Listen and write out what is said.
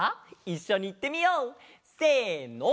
いっしょにいってみよう！せの。